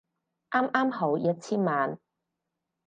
啱啱好一千萬